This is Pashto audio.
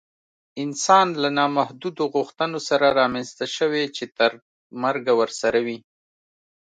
انسان له نامحدودو غوښتنو سره رامنځته شوی چې تر مرګه ورسره وي